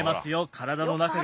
体の中が。